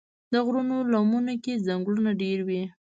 د غرونو لمنو کې ځنګلونه ډېر وي.